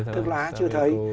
thức lá chưa thấy